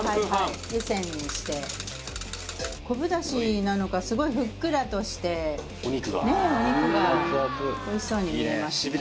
昆布だしなのかすごいふっくらとしてお肉がおいしそうに見えますね。